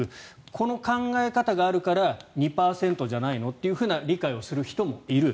この考え方があるから２％じゃないのというような理解をする人もいる。